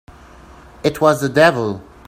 It was the devil!